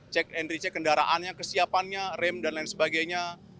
cek and recheck kendaraannya kesiapannya rem dan lain sebagainya